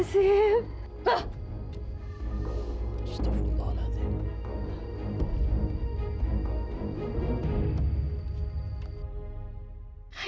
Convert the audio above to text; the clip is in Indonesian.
justru beroleh sih